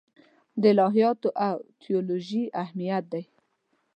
د الهیاتو او تیولوژي اهمیت دی.